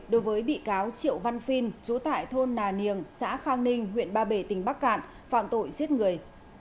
đối với bị cáo triệu văn phiên chú tại thôn nà niềng xã khang ninh huyện ba bể tỉnh bắc cạn phạm tội giết người